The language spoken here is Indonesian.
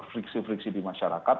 friksi friksi di masyarakat